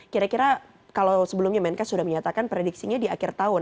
kira kira kalau sebelumnya menkes sudah menyatakan prediksinya di akhir tahun